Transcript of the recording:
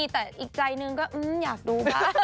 แต่อีกใจหนึ่งก็อยากดูบ้าง